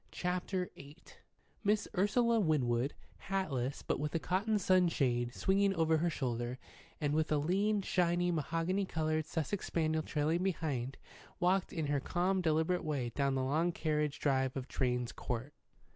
CHAPTER VIII MISS URSULA WINWOOD, hatless, but with a cotton sunshade swinging over her shoulder, and with a lean, shiny, mahogany coloured Sussex spaniel trailing behind, walked in her calm, deliberate way down the long carriage drive of Drane's Court.